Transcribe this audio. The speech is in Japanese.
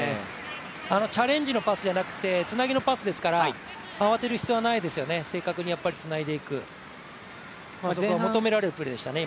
あのチャレンジのパスじゃなくてつなぎのパスですから、慌てる必要はないですよね、正確につないでいく、求められるプレーでしたね。